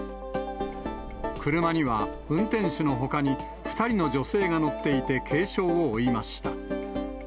車には運転手のほかに、２人の女性が乗っていて軽傷を負いました。